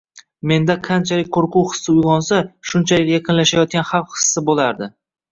menda qanchalik qoʻrquv hissi uygʻonsa, shunchalik yaqinlashayotgan xavf hissi boʻlardi.